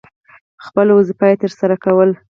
خپله دنده یې تر سرہ کوله.